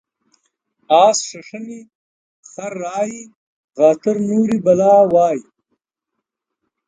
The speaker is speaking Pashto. اس ششني ، خر رایي غاتر نوري بلا وایي.